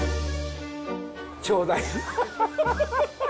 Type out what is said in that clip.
ちょうだい！